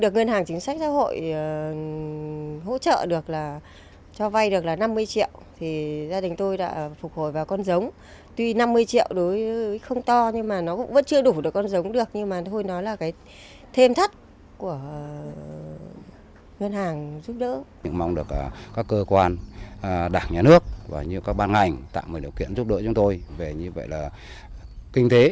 các cơ quan đảng nhà nước và các ban ngành tạo được điều kiện giúp đỡ chúng tôi về như vậy là kinh tế